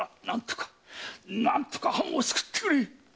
何とか何とか藩を救ってくれ！